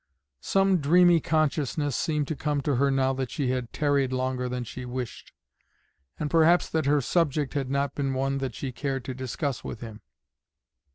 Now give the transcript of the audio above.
Some dreamy consciousness seemed to come to her now that she had tarried longer than she wished, and perhaps that her subject had not been one that she cared to discuss with him.